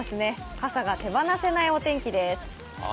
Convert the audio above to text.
傘が手放せないお天気です。